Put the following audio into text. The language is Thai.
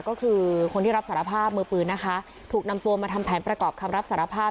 ก็คือคนที่รับสารภาพมือปืนนะคะถูกนำตัวมาทำแผนประกอบคำรับสารภาพ